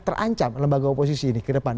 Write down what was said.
terancam lembaga oposisi ini ke depan